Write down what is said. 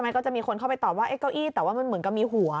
มันก็จะมีคนเข้าไปตอบว่าเก้าอี้แต่ว่ามันเหมือนกับมีหัว